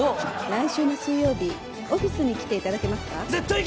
来週の水曜日オフィスに来ていただけますか？